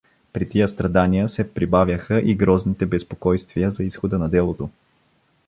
При тия страдания се прибавяха и грозните безпокойствия за изхода на делото.